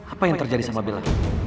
apa yang terjadi sama bella